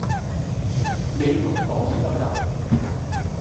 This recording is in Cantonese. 你要同人講先得㗎